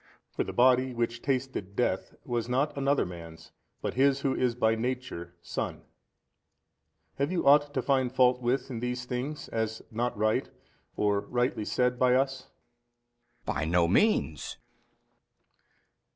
For the Body which tasted death, was not another man's but His who is by Nature Son. Have you ought to find fault with in these things as not right or rightly said by us? B. By no means.